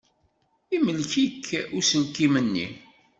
Imlek-ik uselkim-nni.